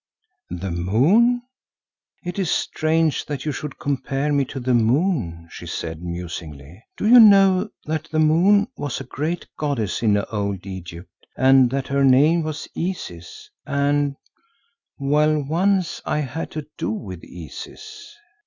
"The moon! It is strange that you should compare me to the moon," she said musingly. "Do you know that the moon was a great goddess in Old Egypt and that her name was Isis and—well, once I had to do with Isis?